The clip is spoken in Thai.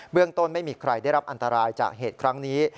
เรื่องต้นไม่มีใครได้รับอันตรายจากเหตุครั้งนี้